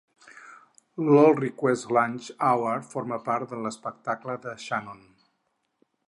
L'All Request Lunch Hour forma part de l'espectacle de Shannon.